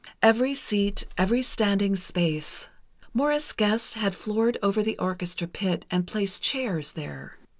Every seat, every standing space ... Morris Gest had floored over the orchestra pit and placed chairs there.